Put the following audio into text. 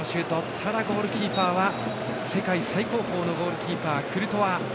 ただ、ゴールキーパーは世界最高峰のゴールキーパークルトワ。